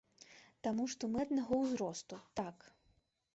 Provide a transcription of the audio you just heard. Таму што мы аднаго ўзросту, так.